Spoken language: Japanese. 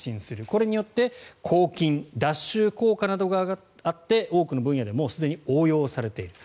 これによって抗菌・脱臭効果などがあって多くの分野でもうすでに応用されている。